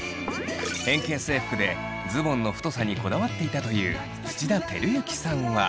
変形制服でズボンの太さにこだわっていたという土田晃之さんは。